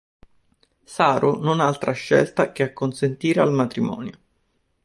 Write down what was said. Saro non ha altra scelta che acconsentire al matrimonio.